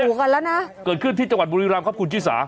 เหตุการณ์นี้เกิดขึ้นที่จังหวัดบุรีรามครับคุณชิสา